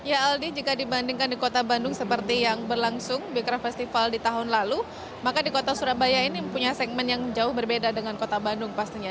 ya aldi jika dibandingkan di kota bandung seperti yang berlangsung bekraf festival di tahun lalu maka di kota surabaya ini punya segmen yang jauh berbeda dengan kota bandung pastinya